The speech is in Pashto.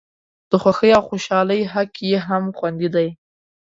د خوښۍ او خوشالۍ حق یې هم خوندي دی.